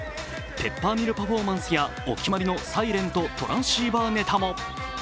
ペッパーミルパフォーマンスやお決まりのサイレンとトランシーバーネタも。